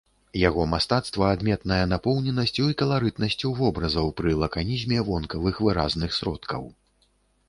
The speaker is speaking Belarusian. Яго мастацтва адметнае напоўненасцю і каларытнасцю вобразаў пры лаканізме вонкавых выразных сродкаў.